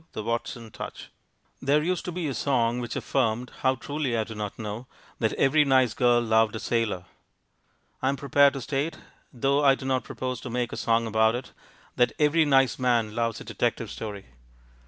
The Watson Touch There used to be a song which affirmed (how truly, I do not know) that every nice girl loved a sailor. I am prepared to state, though I do not propose to make a song about it, that every nice man loves a detective story.